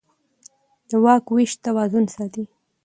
د واک وېش توازن ساتي